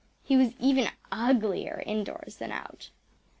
He was even uglier indoors than out.